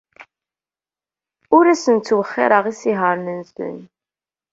Ur asen-ttwexxireɣ isihaṛen-nsen.